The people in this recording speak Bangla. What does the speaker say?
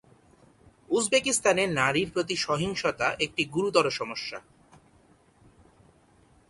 উজবেকিস্তানে নারীর প্রতি সহিংসতা একটি গুরুতর সমস্যা।